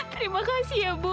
terima kasih ya bu